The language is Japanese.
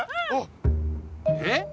えっ？